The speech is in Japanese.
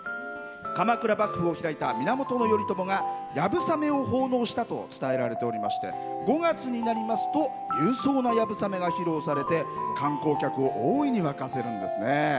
鎌倉幕府を開いた源頼朝がやぶさめを奉納したとして勇壮なやぶさめが披露されて観光客を大いに沸かせるんですね。